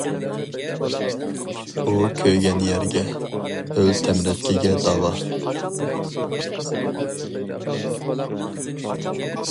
ئۇ كۆيگەن يەرگە، ھۆل تەمرەتكىگە داۋا.